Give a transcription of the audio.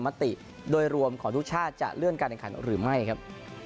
มติโดยรวมของทุกชาติจะเลื่อนการแข่งขันหรือไม่ครับ